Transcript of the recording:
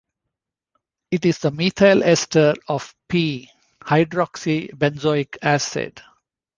It is the methyl ester of "p"-hydroxybenzoic acid.